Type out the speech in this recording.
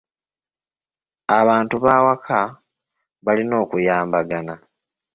Abantu b'awaka balina okuyambagana.